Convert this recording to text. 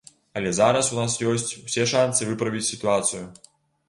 Але зараз у нас ёсць усе шанцы выправіць сітуацыю.